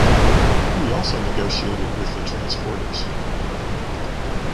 We also negotiated with the transporters.